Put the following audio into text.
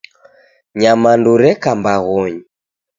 Nyamandu reka mbaghonyi